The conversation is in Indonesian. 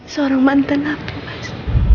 seorang mantan aku mas